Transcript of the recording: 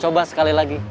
coba sekali lagi